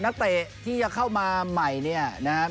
นักเตะที่จะเข้ามาใหม่เนี่ยนะครับ